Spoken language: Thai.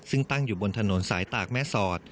ซึ่งตั้งอยู่บนถนนสายตากแม่สอด